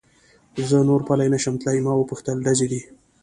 زه نور پلی نه شم تلای، ما و پوښتل: ډزې دي؟